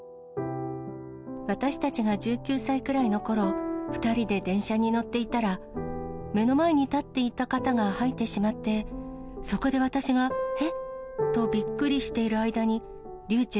私たちが１９歳くらいのころ、２人で電車に乗っていたら、目の前に立っていた方が吐いてしまって、そこで私が、えっとびっくりしている間に、りゅうちぇ